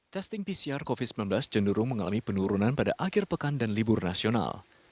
testing pcr covid sembilan belas cenderung mengalami penurunan pada akhir pekan dan libur nasional